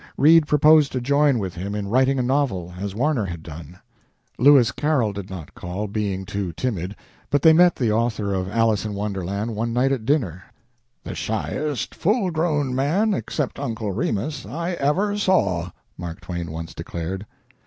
Reade proposed to join with him in writing a novel, as Warner had done. Lewis Carroll did not call, being too timid, but they met the author of "Alice in Wonderland" one night at a dinner, "the shyest full grown man, except Uncle Remiss, I ever saw," Mark Twain once declared.